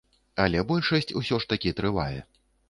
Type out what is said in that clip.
Але большасць усё ж такі трывае.